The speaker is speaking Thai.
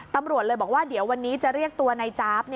ตำรวจเลยบอกว่าเดี๋ยววันนี้จะเรียกตัวนายจ๊าบ